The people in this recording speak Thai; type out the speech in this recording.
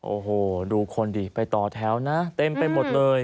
โอ้โหดูคนดิไปต่อแถวนะเต็มไปหมดเลย